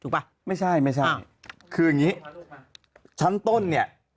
ถูกปะไม่ใช่คือยงี้ชั้นต้นเนี่ย